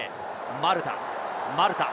マルタ、マルタ。